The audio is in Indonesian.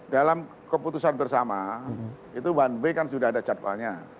dalam keputusan bersama itu one way kan sudah ada jadwalnya